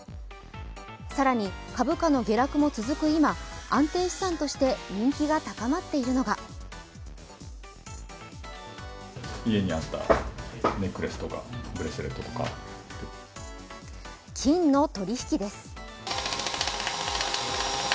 更に、株価の下落も続く今、安定資産として人気が高まっているのが金の取引です。